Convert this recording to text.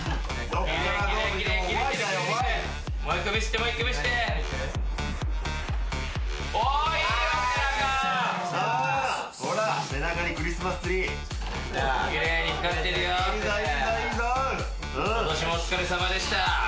今年もお疲れさまでした！